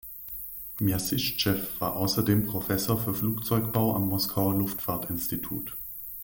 Mjassischtschew war außerdem Professor für Flugzeugbau am Moskauer Luftfahrtinstitut.